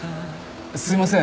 すいません。